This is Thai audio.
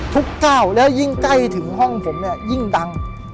ทุกก้าวและยิ่งใกล้ถึงห้องผมยิ่งดัง